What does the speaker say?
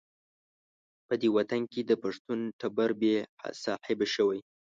په دې وطن کې د پښتون ټبر بې صاحبه شوی.